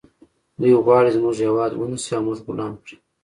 دوی غواړي زموږ هیواد ونیسي او موږ غلام کړي